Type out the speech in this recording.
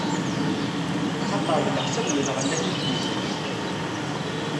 Axaṭer d leḥsab n lɣellat i k-d-izzenz.